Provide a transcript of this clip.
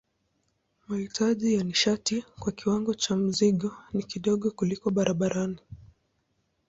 Mahitaji ya nishati kwa kiwango cha mzigo ni kidogo kuliko barabarani.